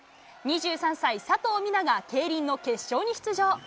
２３歳、佐藤みなが競輪の決勝に出場。